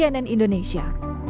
tim liputan cnn indonesia